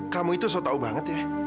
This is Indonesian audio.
kamu itu so tau banget ya